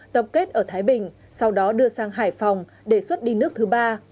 tập kết ở thái bình sau đó đưa sang hải phòng để xuất đi nước thứ ba